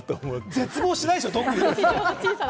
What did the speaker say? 絶望しないでしょ。